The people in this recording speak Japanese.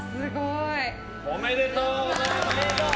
おめでとうございます！